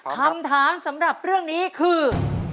คำถามสำหรับเรื่องนี้คือ